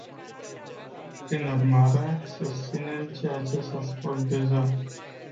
Prin urmare, susținem ceea ce s-a spus deja.